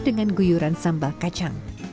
dengan guyuran sambal kacang